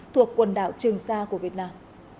thuộc quần đảo trường sa của việt nam